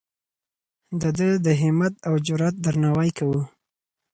د ده د همت او جرئت درناوی کوو.